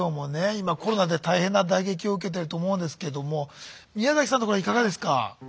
今コロナで大変な打撃を受けてると思うんですけども宮さんところはいかがですか？